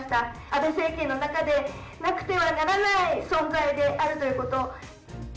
安倍政権の中でなくてはならない存在であるということ。